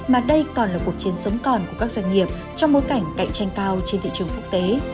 mà đây còn là cuộc chiến sống còn của các doanh nghiệp trong bối cảnh cạnh tranh cao trên thị trường quốc tế